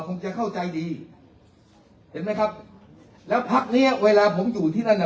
คงจะเข้าใจดีเห็นไหมครับแล้วพักเนี้ยเวลาผมอยู่ที่นั่นอ่ะ